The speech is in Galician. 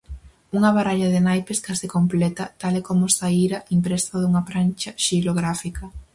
Unha baralla de naipes case completa, tal e como saíra impresa dunha prancha xilográfica.